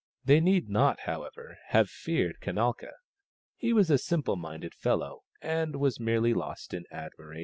They need not, however, have feared Kanalka. He was a simple minded fellow, and was merely lost in admiration.